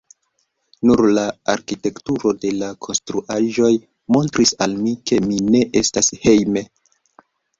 Nur la arkitekturo de la konstruaĵoj montris al mi, ke mi ne estas hejme.